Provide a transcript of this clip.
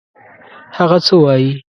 هغه څه وايي.